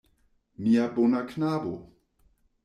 Mia bona "knabo"!